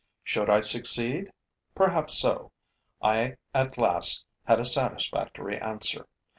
Should I succeed? Perhaps so. I at last had a satisfactory answer.